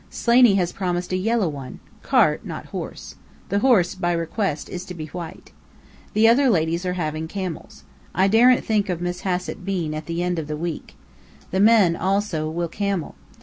Slaney has promised a yellow one cart, not horse. The horse, by request, is to be white. The other ladies are having camels. I daren't think of Miss Hassett Bean at the end of the week. The men, also, will camel.